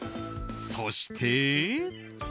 そして。